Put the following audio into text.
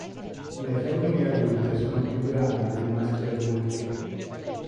Le femmine adulte sono più grandi dei maschi adulti.